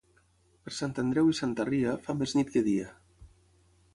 Per Sant Andreu i Santa Ria, fa més nit que dia.